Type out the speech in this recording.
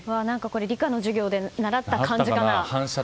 理科の授業で習った感じかな？